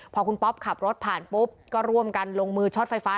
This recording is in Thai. พอคุณป๊อปขับรถผ่านปุ๊บก็ร่วมกันลงมือช็อตไฟฟ้า